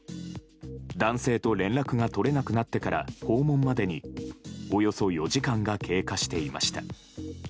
男性と連絡が取れなくなってから訪問までにおよそ４時間が経過していました。